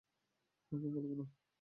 কাউকে বলব না।